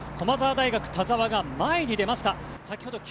駒澤大学・田澤が前に出ました。